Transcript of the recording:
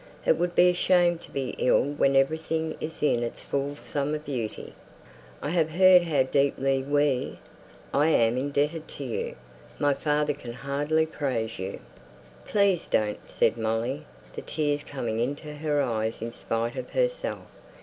It would be a shame to be ill when everything is in its full summer beauty." "I have heard how deeply we I am indebted to you my father can hardly praise you " "Please don't," said Molly, the tears coming into her eyes in spite of herself.